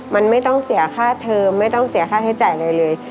มันไม่ต้องเสียค่าเทอมไม่ต้องเสียค่าใช้จ่ายอะไรเลย